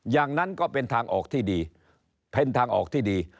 อย่างนั้นก็เป็นทางออกที่ดีเป็นทางออกที่ดี